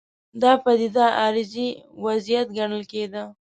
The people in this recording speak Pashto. دا پدیده عارضي وضعیت ګڼل کېده.